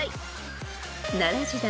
［奈良時代